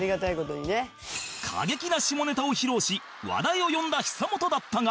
過激な下ネタを披露し話題を呼んだ久本だったが